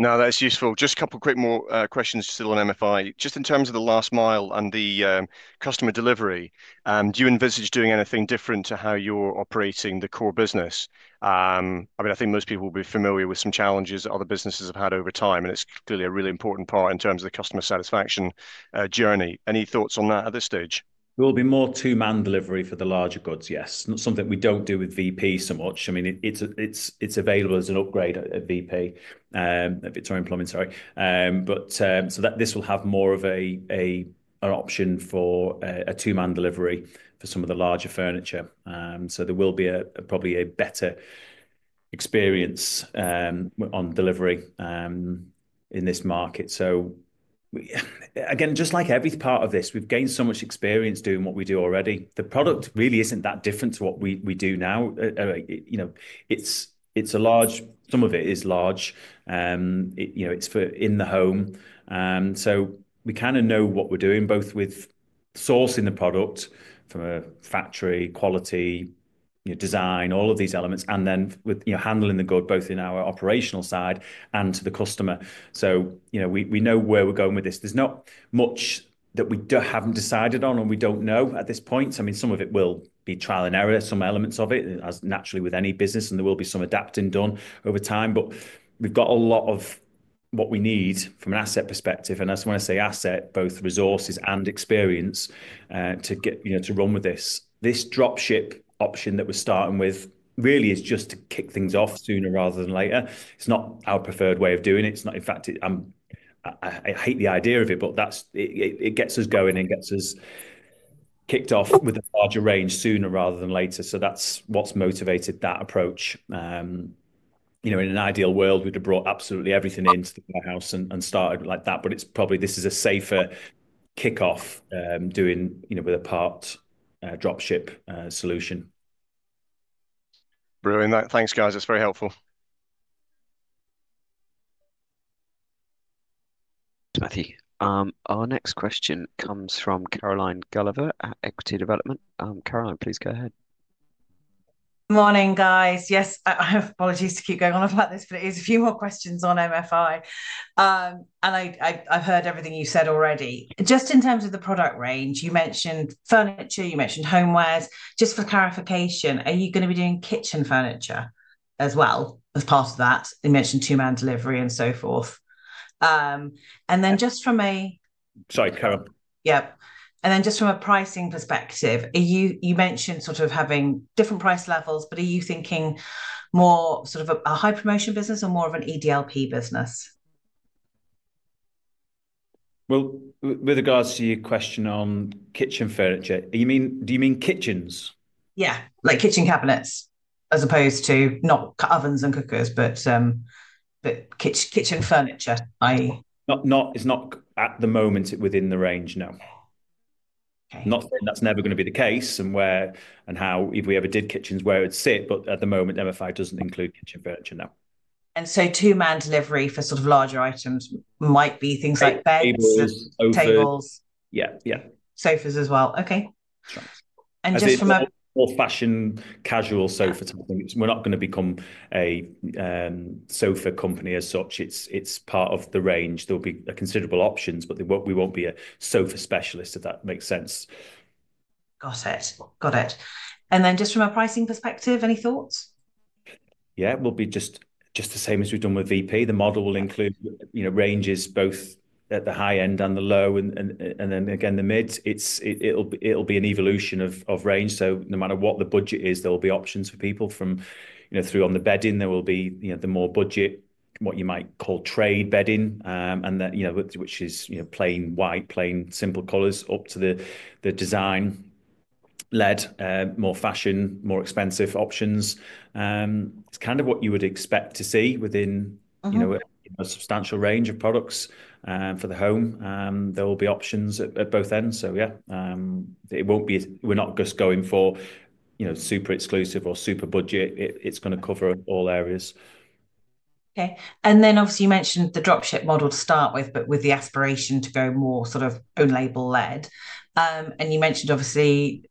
No, that is useful. Just a couple of quick more questions still on MFI. Just in terms of the last mile and the customer delivery, do you envisage doing anything different to how you are operating the core business? I mean, I think most people will be familiar with some challenges that other businesses have had over time, and it is clearly a really important part in terms of the customer satisfaction journey. Any thoughts on that at this stage? It will be more two-man delivery for the larger goods, yes. Not something that we do not do with VP so much. I mean, it is available as an upgrade at VP, at Victorian Plumbing, sorry. This will have more of an option for a two-man delivery for some of the larger furniture. There will probably be a better experience on delivery in this market. Again, just like every part of this, we have gained so much experience doing what we do already. The product really is not that different to what we do now. It is large—some of it is large. It is in the home. We kind of know what we are doing, both with sourcing the product from a factory, quality, design, all of these elements, and then handling the good, both in our operational side and to the customer. We know where we are going with this. There's not much that we haven't decided on and we don't know at this point. I mean, some of it will be trial and error, some elements of it, as naturally with any business, and there will be some adapting done over time. We've got a lot of what we need from an asset perspective. I just want to say asset, both resources and experience, to run with this. This dropship option that we're starting with really is just to kick things off sooner rather than later. It's not our preferred way of doing it. In fact, I hate the idea of it, but it gets us going and gets us kicked off with a larger range sooner rather than later. That's what's motivated that approach. In an ideal world, we'd have brought absolutely everything into the warehouse and started like that. But this is a safer kickoff doing with a part dropship solution. Brilliant. Thanks, guys. That's very helpful. Matthew. Our next question comes from Caroline Gulliver at Equity Development. Caroline, please go ahead. Morning, guys. Yes, I have apologies to keep going on about this, but it is a few more questions on MFI. And I've heard everything you said already. Just in terms of the product range, you mentioned furniture, you mentioned homewares. Just for clarification, are you going to be doing kitchen furniture as well as part of that? You mentioned two-man delivery and so forth. And then just from a— Sorry, Carol. Yep. And then just from a pricing perspective, you mentioned sort of having different price levels, but are you thinking more sort of a high-promotion business or more of an EDLP business? With regards to your question on kitchen furniture, do you mean kitchens? Yeah, like kitchen cabinets as opposed to not ovens and cookers, but kitchen furniture. It's not at the moment within the range, no. That's never going to be the case and how if we ever did kitchens, where it would sit, but at the moment, MFI doesn't include kitchen furniture now. Two-man delivery for sort of larger items might be things like beds, tables. Yeah, yeah. Sofas as well. Okay. Just from a— old-fashioned casual sofa type. We're not going to become a sofa company as such. It's part of the range. There'll be considerable options, but we won't be a sofa specialist, if that makes sense. Got it. Got it. Just from a pricing perspective, any thoughts? Yeah, it will be just the same as we've done with VP. The model will include ranges both at the high end and the low and then, again, the mids. It'll be an evolution of range. No matter what the budget is, there will be options for people through on the bedding. There will be the more budget, what you might call trade bedding, which is plain white, plain simple colors up to the design-led, more fashion, more expensive options. It's kind of what you would expect to see within a substantial range of products for the home. There will be options at both ends. Yeah, it won't be—we're not just going for super exclusive or super budget. It's going to cover all areas. Okay. Obviously, you mentioned the dropship model to start with, but with the aspiration to go more sort of own-label-led. You mentioned obviously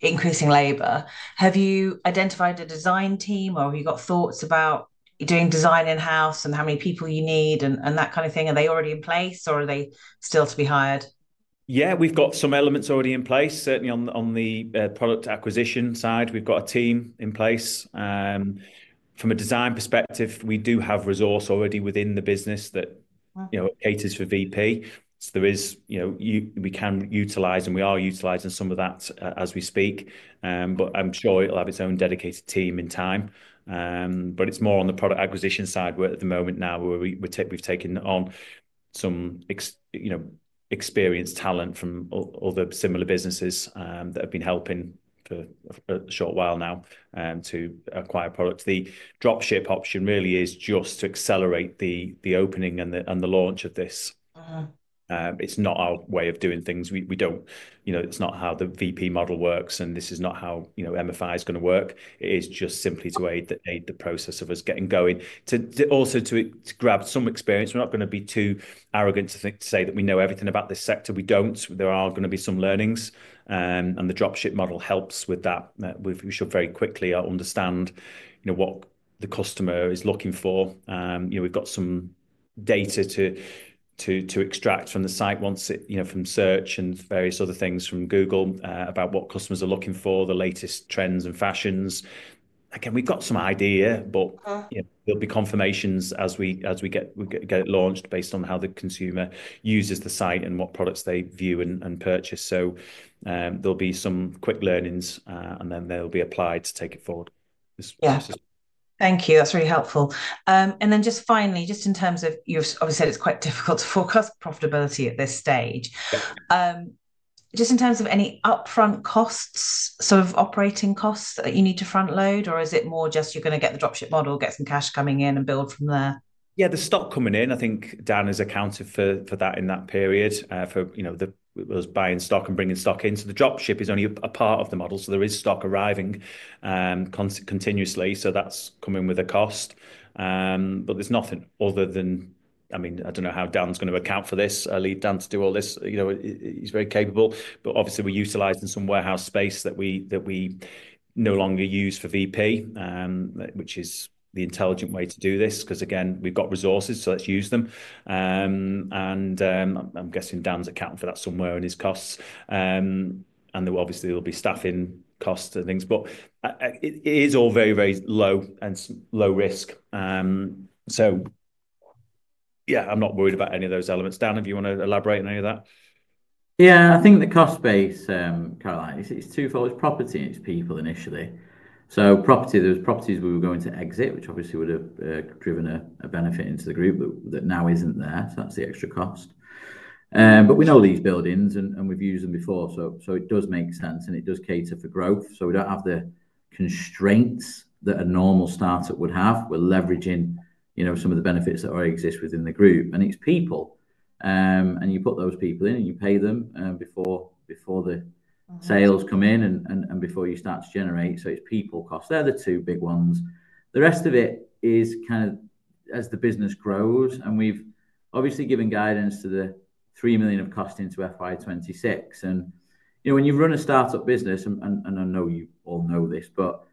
increasing labor. Have you identified a design team, or have you got thoughts about doing design in-house and how many people you need and that kind of thing? Are they already in place, or are they still to be hired? Yeah, we've got some elements already in place. Certainly on the product acquisition side, we've got a team in place. From a design perspective, we do have resource already within the business that caters for VP. So we can utilize, and we are utilizing some of that as we speak. I'm sure it'll have its own dedicated team in time. It's more on the product acquisition side at the moment now, where we've taken on some experienced talent from other similar businesses that have been helping for a short while now to acquire products. The dropship option really is just to accelerate the opening and the launch of this. It's not our way of doing things. It's not how the VP model works, and this is not how MFI is going to work. It is just simply to aid the process of us getting going. Also to grab some experience. We're not going to be too arrogant to say that we know everything about this sector. We don't. There are going to be some learnings. The dropship model helps with that. We should very quickly understand what the customer is looking for. We've got some data to extract from the site, once it from search and various other things from Google about what customers are looking for, the latest trends and fashions. Again, we've got some idea, but there'll be confirmations as we get it launched based on how the consumer uses the site and what products they view and purchase. There will be some quick learnings, and then they'll be applied to take it forward. Yeah. Thank you. That's really helpful. Just finally, in terms of you've obviously said it's quite difficult to forecast profitability at this stage. In terms of any upfront costs, sort of operating costs that you need to front-load, or is it more just you're going to get the dropship model, get some cash coming in, and build from there? Yeah, the stock coming in, I think Dan has accounted for that in that period, for us buying stock and bringing stock in. The dropship is only a part of the model. There is stock arriving continuously. That's coming with a cost. There's nothing other than—I mean, I don't know how Dan's going to account for this. I'll leave Dan to do all this. He's very capable. Obviously, we're utilizing some warehouse space that we no longer use for VP, which is the intelligent way to do this because, again, we've got resources, so let's use them. I'm guessing Dan's accounting for that somewhere in his costs. Obviously, there'll be staffing costs and things. It is all very, very low and low risk. Yeah, I'm not worried about any of those elements. Dan, if you want to elaborate on any of that? Yeah, I think the cost base, Caroline, it's two-fold. It's property and it's people initially. There were properties we were going to exit, which obviously would have driven a benefit into the group that now isn't there. That's the extra cost. We know these buildings, and we've used them before. It does make sense, and it does cater for growth. We do not have the constraints that a normal startup would have. We are leveraging some of the benefits that already exist within the group. And it is people. You put those people in, and you pay them before the sales come in and before you start to generate. It is people cost. They are the two big ones. The rest of it is kind of as the business grows. We have obviously given guidance to the 3 million of cost into FY 2026. When you run a startup business, and I know you all know this, but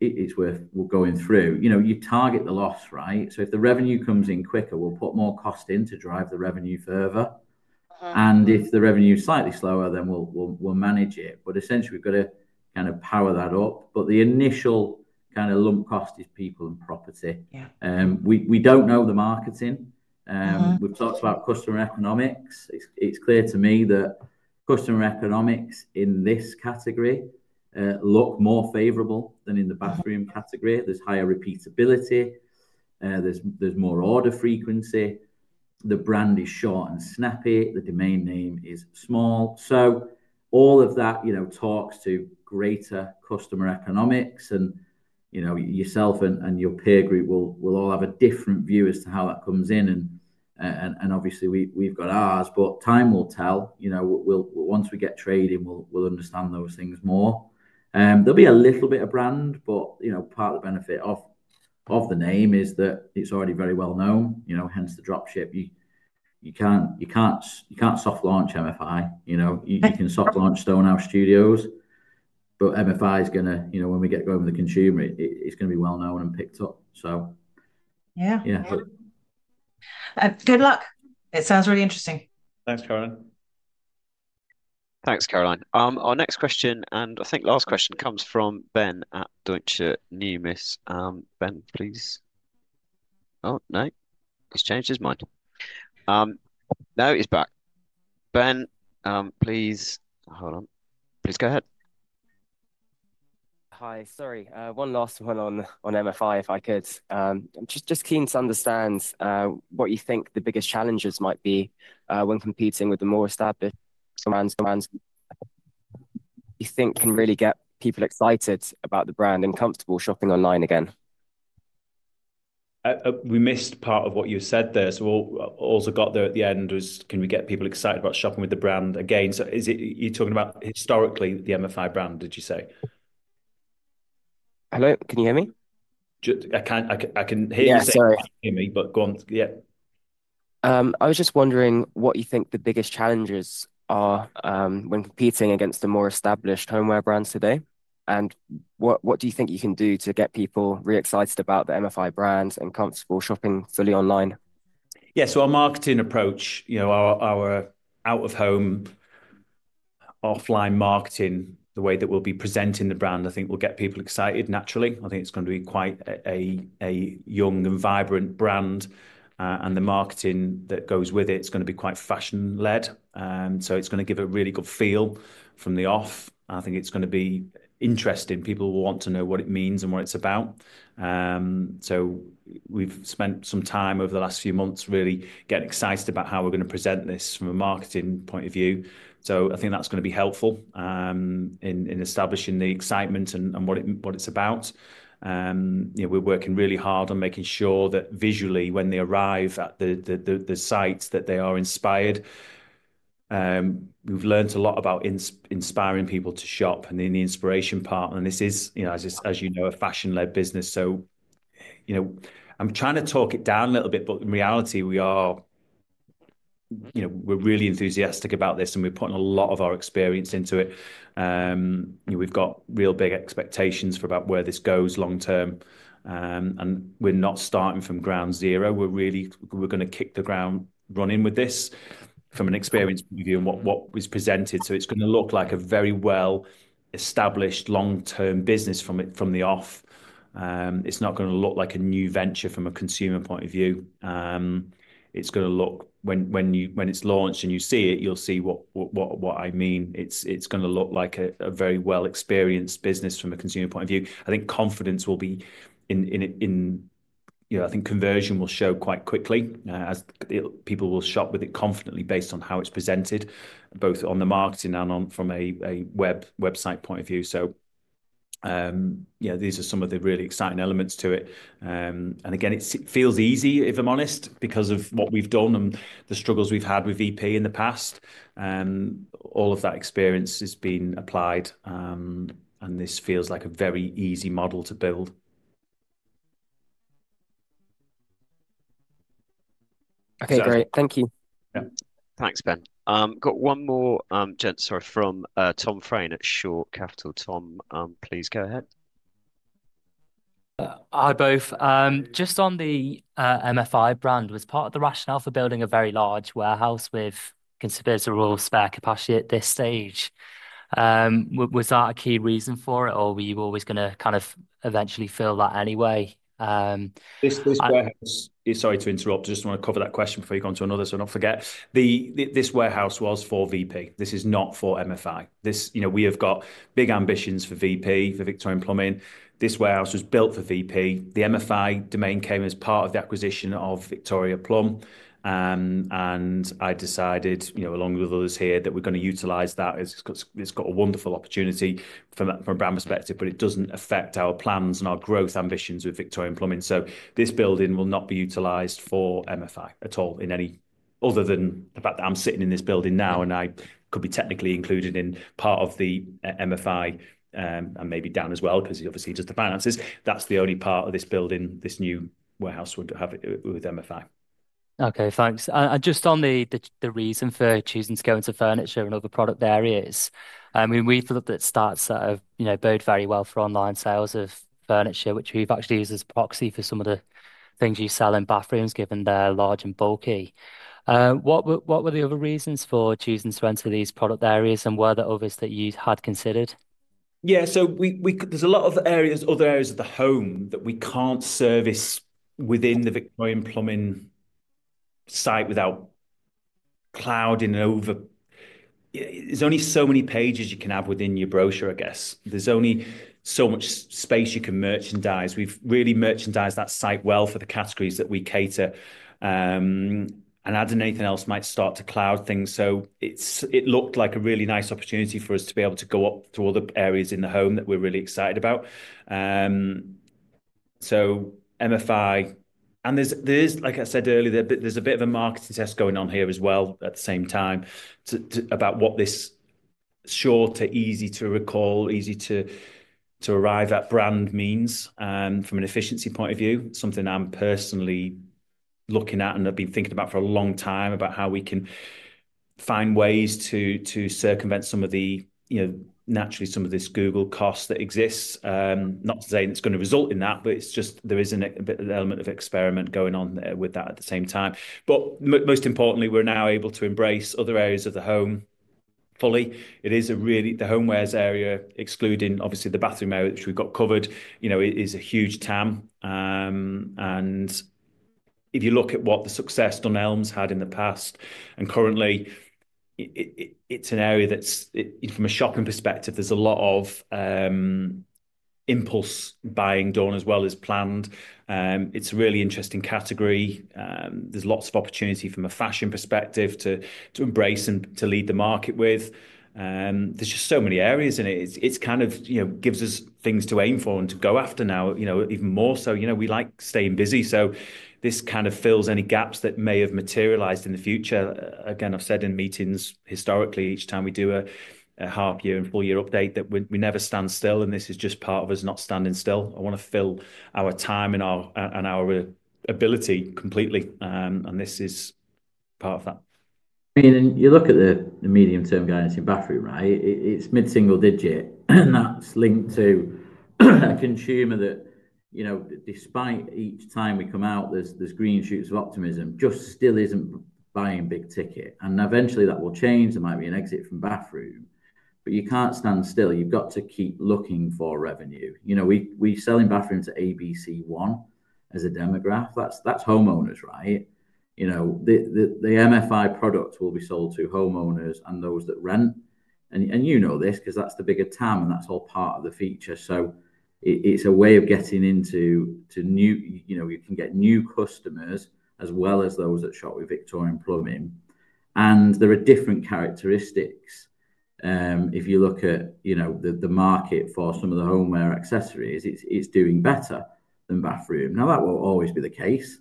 it is worth going through. You target the loss, right? If the revenue comes in quicker, we will put more cost in to drive the revenue further. If the revenue is slightly slower, then we will manage it. Essentially, we have got to kind of power that up. The initial kind of lump cost is people and property. We do not know the marketing. We have talked about customer economics. It is clear to me that customer economics in this category look more favorable than in the bathroom category. There is higher repeatability. There is more order frequency. The brand is short and snappy. The domain name is small. All of that talks to greater customer economics. Yourself and your peer group will all have a different view as to how that comes in. Obviously, we have ours. Time will tell. Once we get trading, we will understand those things more. There will be a little bit of brand, but part of the benefit of the name is that it is already very well known, hence the dropship. You cannot soft launch MFI. You can soft launch Stonehouse Studios. MFI is going to, when we get going with the consumer, it's going to be well known and picked up, so. Yeah. Good luck. It sounds really interesting. Thanks, Caroline. Thanks, Caroline. Our next question, and I think last question comes from Ben at Doitzer Newmis. Ben, please. Oh, no. He's changed his mind. No, he's back. Ben, please. Hold on. Please go ahead. Hi. Sorry. One last one on MFI, if I could. I'm just keen to understand what you think the biggest challenges might be when competing with the more established brands you think can really get people excited about the brand and comfortable shopping online again. We missed part of what you said there. So what we also got there at the end was, can we get people excited about shopping with the brand again? So you're talking about historically the MFI brand, did you say? Hello? Can you hear me? I can hear you. Yeah, sorry. I can't hear me, but go on. Yeah. I was just wondering what you think the biggest challenges are when competing against the more established homeware brands today. What do you think you can do to get people really excited about the MFI brand and comfortable shopping fully online? Yeah. Our marketing approach, our out-of-home offline marketing, the way that we'll be presenting the brand, I think will get people excited naturally. I think it's going to be quite a young and vibrant brand. The marketing that goes with it is going to be quite fashion-led. It's going to give a really good feel from the off. I think it's going to be interesting. People will want to know what it means and what it's about. We've spent some time over the last few months really getting excited about how we're going to present this from a marketing point of view. I think that's going to be helpful in establishing the excitement and what it's about. We're working really hard on making sure that visually, when they arrive at the site, they are inspired. We've learned a lot about inspiring people to shop and then the inspiration part. This is, as you know, a fashion-led business. I'm trying to talk it down a little bit, but in reality, we're really enthusiastic about this, and we're putting a lot of our experience into it. We've got real big expectations for about where this goes long term. We're not starting from ground zero. We're going to kick the ground running with this from an experience point of view and what was presented. It's going to look like a very well-established long-term business from the off. It's not going to look like a new venture from a consumer point of view. It's going to look, when it's launched and you see it, you'll see what I mean. It's going to look like a very well-experienced business from a consumer point of view. I think confidence will be in, I think conversion will show quite quickly as people will shop with it confidently based on how it's presented, both on the marketing and from a website point of view. These are some of the really exciting elements to it. Again, it feels easy, if I'm honest, because of what we've done and the struggles we've had with VP in the past. All of that experience has been applied, and this feels like a very easy model to build. Okay. Great.Thank you. Yeah. Thanks, Ben. Got one more, sorry, from Tom Fraine at Shore Capital. Tom, please go ahead. Hi both. Just on the MFI brand, was part of the rationale for building a very large warehouse with considerable spare capacity at this stage? Was that a key reason for it, or were you always going to kind of eventually fill that anyway? This warehouse— sorry to interrupt—I just want to cover that question before you go on to another so I do not forget. This warehouse was for VP. This is not for MFI. We have got big ambitions for VP, for Victorian Plumbing. This warehouse was built for VP. The MFI domain came as part of the acquisition of Victoria Plumb. And I decided, along with others here, that we are going to utilize that. It's got a wonderful opportunity from a brand perspective, but it doesn't affect our plans and our growth ambitions with Victorian Plumbing. This building will not be utilized for MFI at all, other than the fact that I'm sitting in this building now, and I could be technically included in part of the MFI and maybe Dan as well because he's obviously just the finances. That's the only part of this building, this new warehouse would have with MFI. Okay. Thanks. Just on the reason for choosing to go into furniture and other product areas, we thought that starts sort of boded very well for online sales of furniture, which we've actually used as a proxy for some of the things you sell in bathrooms, given they're large and bulky. What were the other reasons for choosing to enter these product areas and were there others that you had considered? Yeah. There's a lot of other areas of the home that we can't service within the Victorian Plumbing site without clouding over. There's only so many pages you can have within your brochure, I guess. There's only so much space you can merchandise. We've really merchandised that site well for the categories that we cater. As anything else might start to cloud things, it looked like a really nice opportunity for us to be able to go up through all the areas in the home that we're really excited about. MFI, and like I said earlier, there's a bit of a marketing test going on here as well at the same time about what this short to easy to recall, easy to arrive at brand means from an efficiency point of view, something I'm personally looking at and I've been thinking about for a long time about how we can find ways to circumvent some of the, naturally, some of this Google cost that exists. Not to say it's going to result in that, but it's just there is an element of experiment going on with that at the same time. Most importantly, we're now able to embrace other areas of the home fully. It is really the homewares area, excluding obviously the bathroom area, which we've got covered, is a huge TAM. If you look at what the success Dunelm's had in the past and currently, it's an area that's, from a shopping perspective, there's a lot of impulse buying done as well as planned. It's a really interesting category. There's lots of opportunity from a fashion perspective to embrace and to lead the market with. There's just so many areas in it. It kind of gives us things to aim for and to go after now, even more so. We like staying busy. This kind of fills any gaps that may have materialized in the future. Again, I've said in meetings historically, each time we do a half-year and full-year update that we never stand still, and this is just part of us not standing still. I want to fill our time and our ability completely. This is part of that. I mean, you look at the medium-term guidance in bathroom, right? It's mid-single digit. And that's linked to a consumer that, despite each time we come out, there's green shoots of optimism, just still isn't buying big ticket. Eventually, that will change. There might be an exit from bathroom. You can't stand still. You've got to keep looking for revenue. We're selling bathrooms at A, B, C, 1 as a demograph. That's homeowners, right? The MFI product will be sold to homeowners and those that rent. You know this because that's the bigger TAM, and that's all part of the feature. It's a way of getting into new, you can get new customers as well as those that shop with Victorian Plumbing. There are different characteristics. If you look at the market for some of the home wear accessories, it's doing better than bathroom. Now, that will always be the case.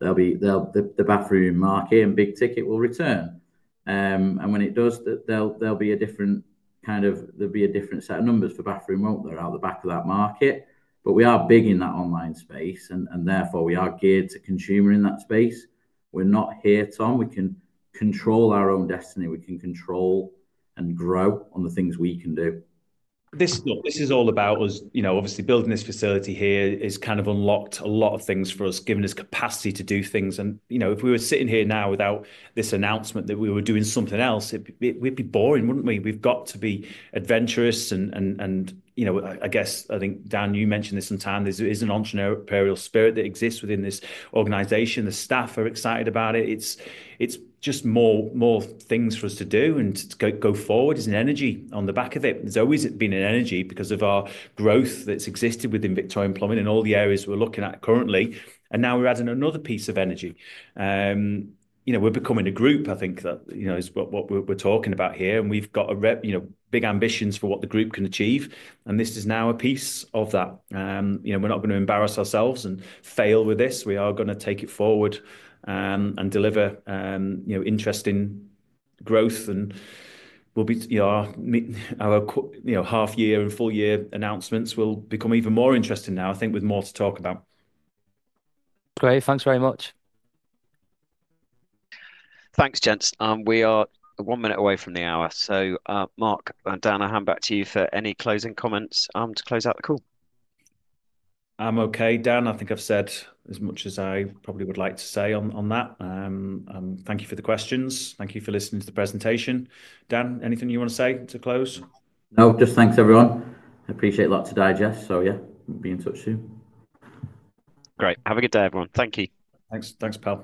The bathroom market and big ticket will return. When it does, there will be a different kind of, there will be a different set of numbers for bathroom, will not there? Out the back of that market. We are big in that online space, and therefore, we are geared to consumer in that space. We are not here, Tom. We can control our own destiny. We can control and grow on the things we can do. This is all about us. Obviously, building this facility here has kind of unlocked a lot of things for us, given us capacity to do things. If we were sitting here now without this announcement that we were doing something else, we would be boring, would not we? We have got to be adventurous. I guess, I think, Dan, you mentioned this in time. There is an entrepreneurial spirit that exists within this organization. The staff are excited about it. It's just more things for us to do and go forward. There's an energy on the back of it. There's always been an energy because of our growth that's existed within Victorian Plumbing and all the areas we're looking at currently. Now we're adding another piece of energy. We're becoming a group, I think, that is what we're talking about here. We've got big ambitions for what the group can achieve. This is now a piece of that. We're not going to embarrass ourselves and fail with this. We are going to take it forward and deliver interesting growth. Our half-year and full-year announcements will become even more interesting now, I think, with more to talk about. Great. Thanks very much. Thanks, gents. We are one minute away from the hour. So, Mark and Dan, I hand back to you for any closing comments to close out the call. I'm okay, Dan. I think I've said as much as I probably would like to say on that. Thank you for the questions. Thank you for listening to the presentation. Dan, anything you want to say to close? No, just thanks, everyone. Appreciate a lot today, Jess. So yeah, we'll be in touch soon. Great. Have a good day, everyone. Thank you. Thanks. Thanks both.